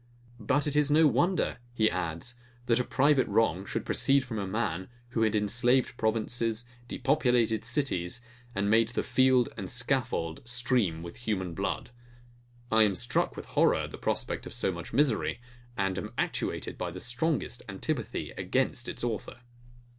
But it is no wonder, he adds, that a private wrong should proceed from a man, who had enslaved provinces, depopulated cities, and made the field and scaffold stream with human blood. I am struck with horror at the prospect of so much misery, and am actuated by the strongest antipathy against its author.